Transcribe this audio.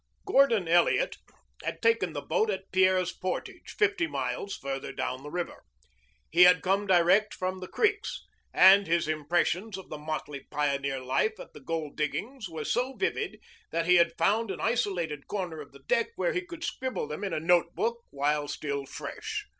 Gordon Elliot had taken the boat at Pierre's Portage, fifty miles farther down the river. He had come direct from the creeks, and his impressions of the motley pioneer life at the gold diggings were so vivid that he had found an isolated corner of the deck where he could scribble them in a notebook while still fresh.